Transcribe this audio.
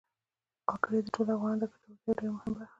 وګړي د ټولو افغانانو د ګټورتیا یوه ډېره مهمه برخه ده.